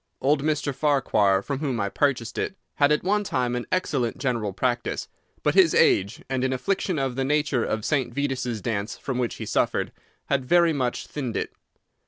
Old Mr. Farquhar, from whom I purchased it, had at one time an excellent general practice; but his age, and an affliction of the nature of St. Vitus's dance from which he suffered, had very much thinned it.